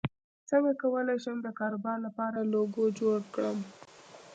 څنګه کولی شم د کاروبار لپاره لوګو جوړ کړم